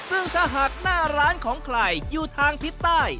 ซึ่งถ้าหากหน้าร้านของใครอยู่ทางทิศใต้